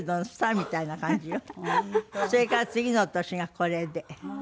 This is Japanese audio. それから次の年がこれで。